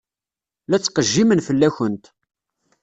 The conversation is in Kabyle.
La ttqejjimen fell-akent.